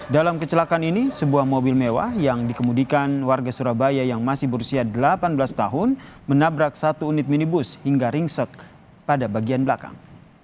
dalam kecelakaan ini sebuah mobil mewah yang dikemudikan warga surabaya yang masih berusia delapan belas tahun menabrak satu unit minibus hingga ringsek pada bagian belakang